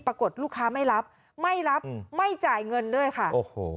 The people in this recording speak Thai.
ปรากฏลูกค้าไม่รับไม่รับไม่จ่ายเงินด้วยค่ะโอ้โห